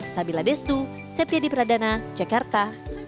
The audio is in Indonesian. sabila destu septya di pradana jakarta